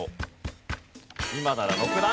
今なら６段。